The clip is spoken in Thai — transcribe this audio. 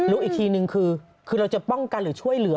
รู้อีกทีนึงคือเราจะป้องกันหรือช่วยเหลือ